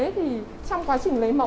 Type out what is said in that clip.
thì trong quá trình lấy mẫu